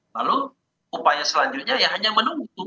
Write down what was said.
lalu upaya selanjutnya ya hanya menunggu